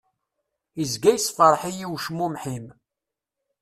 Izga yessefreḥ-iyi ucmumeḥ-im.